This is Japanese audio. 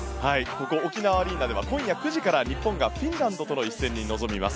ここ沖縄アリーナでは、今夜９時から日本がフィンランドとの一戦に臨みます。